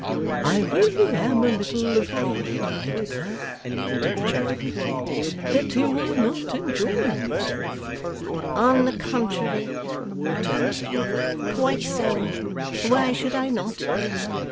'I really am a little afraid, my dear,' hinted the cherub meekly, 'that you are not enjoying yourself?' 'On the contrary,' returned Mrs Wilfer, 'quite so. Why should I not?